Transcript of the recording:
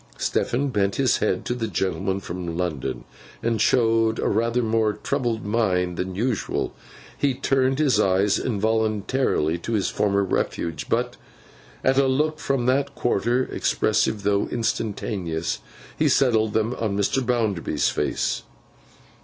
Stephen bent his head to the gentleman from London, and showed a rather more troubled mind than usual. He turned his eyes involuntarily to his former refuge, but at a look from that quarter (expressive though instantaneous) he settled them on Mr. Bounderby's face.